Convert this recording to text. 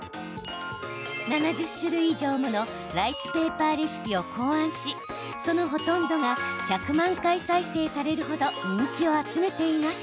７０種類以上ものライスペーパーレシピを考案しそのほとんどが１００万回再生される程、人気を集めています。